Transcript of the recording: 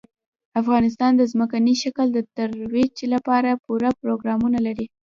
افغانستان د ځمکني شکل د ترویج لپاره پوره پروګرامونه لري.